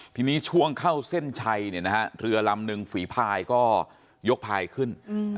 ทีนี้ช่วงเข้าเส้นชัยเรือลำนึงฝีพายก็ยกพายขึ้น